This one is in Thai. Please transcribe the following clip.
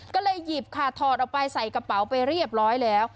ก็เลยหยิบค่ะถอดออกไปใส่กระเป๋าไปเรียบร้อยแล้ว